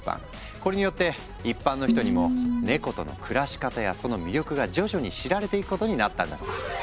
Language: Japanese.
これによって一般の人にもネコとの暮らし方やその魅力が徐々に知られていくことになったんだとか。